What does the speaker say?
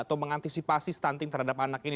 atau mengantisipasi stunting terhadap anak ini